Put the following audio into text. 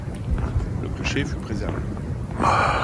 Le clocher fut préservé.